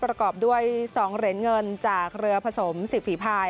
ประกอบด้วย๒เหรียญเงินจากเรือผสม๑๐ฝีภาย